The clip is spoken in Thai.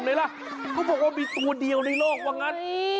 เลยล่ะเขาบอกว่ามีตัวเดียวในโลกว่างั้น